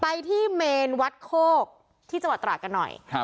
ไปที่แมนวัดโฆที่ใจวตระกันหน่อยครับ